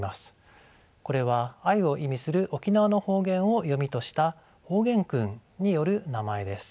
これは愛を意味する沖縄の方言を読みとした方言訓による名前です。